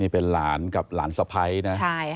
เป็นหลานกับหลานสะพ้ายนะ